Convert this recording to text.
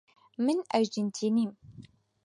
من ئەرجێنتینم.